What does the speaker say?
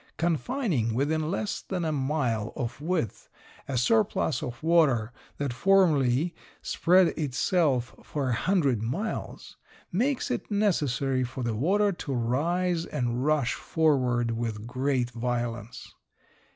Confining within less than a mile of width a surplus of water that formerly spread itself for a hundred miles makes it necessary for the water to rise and rush forward with greater violence.